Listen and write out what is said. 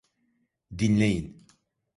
Dinleyin.